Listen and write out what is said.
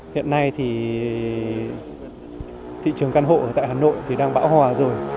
hiện nay thì thị trường căn hộ ở tại hà nội thì đang bão hòa rồi